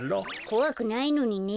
こわくないのにね。